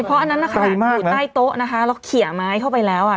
เพราะอันนั้นนะคะอยู่ใต้โต๊ะนะคะแล้วเขียไม้เข้าไปแล้วอ่ะ